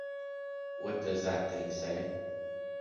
What does that thing say?